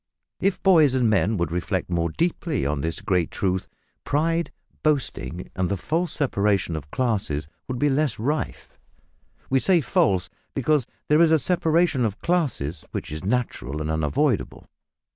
If boys and men would reflect more deeply on this great truth, pride, boasting, and the false separation of classes would be less rife. We say false, because there is a separation of classes which is natural and unavoidable.